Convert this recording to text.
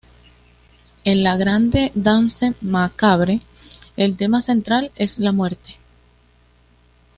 En "La Grande Danse Macabre" el tema central es la muerte.